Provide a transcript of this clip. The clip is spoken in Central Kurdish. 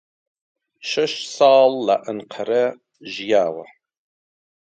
شەش ساڵ لە ئەنقەرە ژیاوە.